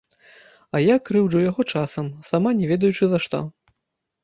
А я крыўджу яго часам, сама не ведаючы, за што.